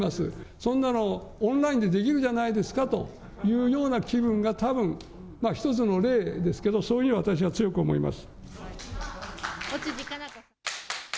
そんなのオンラインでできるじゃないですかというような機運がたぶん、一つの例ですけれども、そういうふうに私は強く思います。